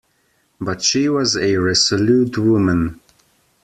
But she was a resolute woman.